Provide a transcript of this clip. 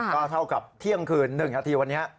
ก็เท่ากับเที่ยงคืน๑นาทีวันนี้